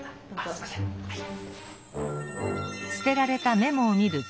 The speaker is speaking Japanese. すみませんはい。